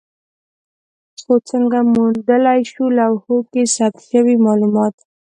خو څنګه موندلای شو لوحو کې ثبت شوي مالومات؟